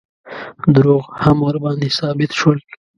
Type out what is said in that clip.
دروغ هم ورباندې ثابت شول.